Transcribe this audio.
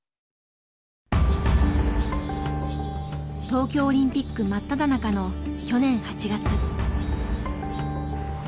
東京オリンピック真っただ中の去年８月。